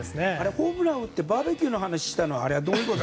ホームランを打ってバーベーキューの話をしたのはどういうこと？